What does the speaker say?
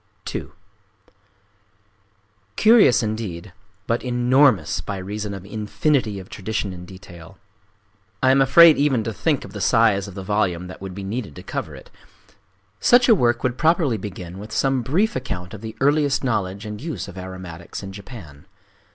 II Curious indeed, but enormous by reason of it infinity of tradition and detail. I am afraid even to think of the size of the volume that would be needed to cover it…. Such a work would properly begin with some brief account of the earliest knowledge and use of aromatics in Japan.